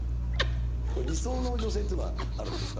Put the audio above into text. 理想の女性っていうのはあるんですか？